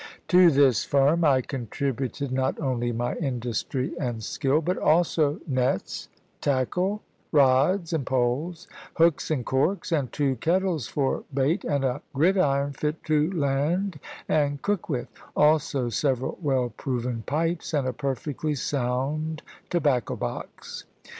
To this firm I contributed not only my industry and skill, but also nets, tackle, rods and poles, hooks and corks, and two kettles for bait, and a gridiron fit to land and cook with; also several well proven pipes, and a perfectly sound tobacco box.